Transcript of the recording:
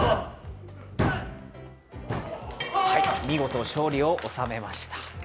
見事、勝利を収めました。